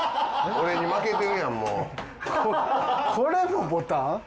ここれもボタン？